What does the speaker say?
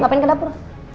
ngapain ke dapur